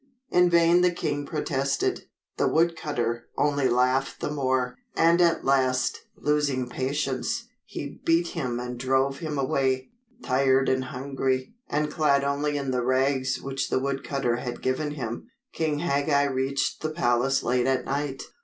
In vain the king protested. The wood cutter only laughed the more, and at last, losing patience, he beat him and drove him away. Tired and hungry, and clad only in the rags which the wood cutter had given him, King Hagag reached the palace late at night.